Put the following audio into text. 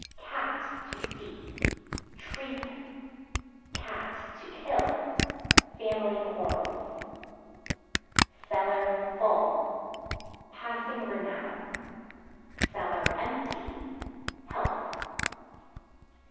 Cat (To see) treason; (to kill) family quarrels. Cellar (Full) passing renown; (empty) health.